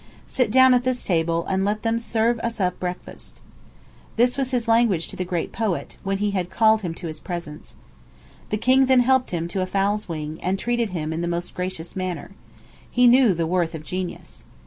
Sit down at this table, and let them serve us up breakfast." This was his language to the great poet, when he had called him to his presence. The king then helped him to a fowl's wing, and treated him in the most gracious manner. He knew the worth of genius.